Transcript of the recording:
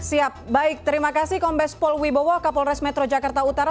siap baik terima kasih kombes pol wibowo kapolres metro jakarta utara